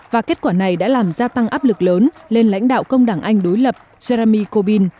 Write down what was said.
và kết quả này đã làm gia tăng áp lực lớn lên lãnh đạo công đảng anh đối lập jeremy corbyl